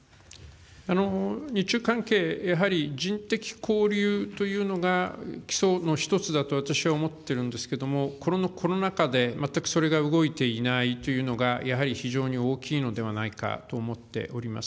日中関係、やはり、人的交流というのが基礎の一つだと私は思ってるんですけれども、このコロナ禍で、それが全く動いていないというのが、やはり非常に大きいのではないかと思っております。